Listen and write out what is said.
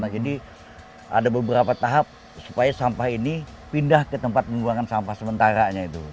jadi ada beberapa tahap supaya sampah ini pindah ke tempat mengeluarkan sampah sementaranya